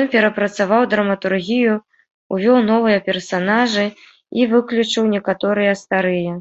Ён перапрацаваў драматургію, увёў новыя персанажы і выключыў некаторыя старыя.